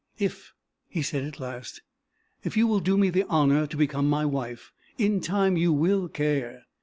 "If," he said, at last, "if you will do me the honor to become my wife, in time you will care.